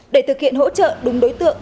để thực hiện hỗ trợ đúng đối tượng